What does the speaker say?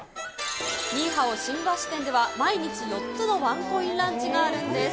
ニーハオ新橋店では、毎日４つのワンコインランチがあるんです。